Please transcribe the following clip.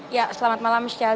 ya selamat malam